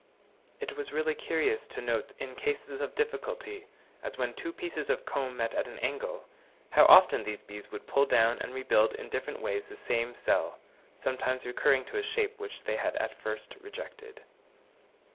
It was really curious to note in cases of difficulty, as when two pieces of comb met at an angle, how often the bees would pull down and rebuild in different ways the same cell, sometimes recurring to a shape which they had at first rejected.